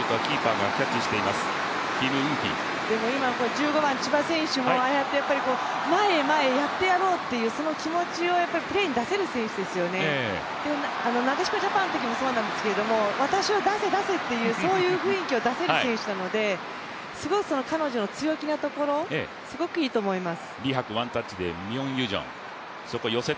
１５番の千葉選手もああやって前へ前へやってやろうという気持ちをプレーに出せる選手ですよね、なでしこジャパンのときもそうなんですけど、私を出せ、出せというそういう雰囲気を出せる選手なので彼女の強気なところ、すごくいいと思います。